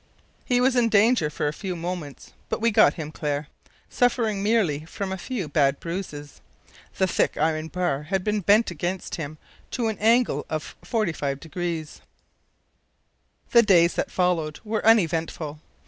He was in danger for a few moments, but we got him clear, suffering merely from a few bad bruises. The thick iron bar had been bent against him to an angle of 45 degrees. The days that followed were uneventful.